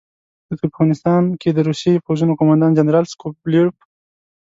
د ترکمنستان کې د روسي پوځونو قوماندان جنرال سکو بیلوف.